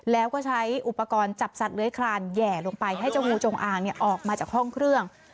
แล้วก็ใช้อุปกรณ์จับสัตว์เลื้อยคลานแห่ลงไปให้เจ้างูจงอางออกมาจากห้องเครื่อง